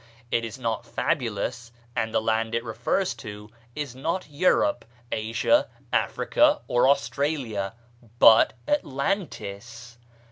It is not fabulous; and the land it refers to is not Europe, Asia, Africa, or Australia but Atlantis.